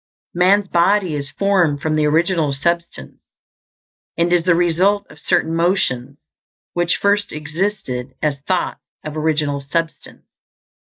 Man's body is formed from the Original Substance, and is the result of certain motions, which first existed as thoughts of Original Substance.